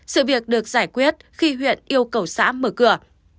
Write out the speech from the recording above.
sự việc được giải quyết khi huyện yêu cầu xã mở cửa